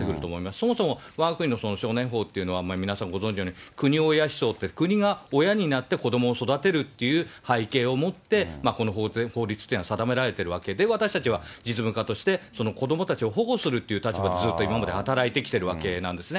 そもそもわが国の少年法っていうのは、皆さんご存じのように、国親思想って、国が親になって子を育てるっていう背景を持ってこの法律っていうのは定められているわけで、私たちは実務化として、子どもたちを保護するっていう立場で今まで働いてきているわけなんですね。